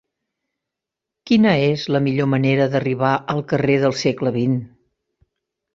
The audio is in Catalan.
Quina és la millor manera d'arribar al carrer del Segle XX?